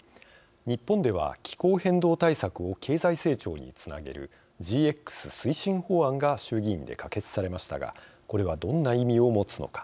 日本では、気候変動対策を経済成長につなげるＧＸ推進法案が衆議院で可決されましたがこれはどんな意味を持つのか。